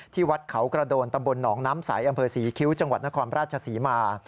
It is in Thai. วัดเขากระโดนตำบลหนองน้ำใสอำเภอศรีคิ้วจังหวัดนครราชศรีมา